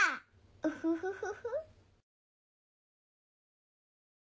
ウフフフフ。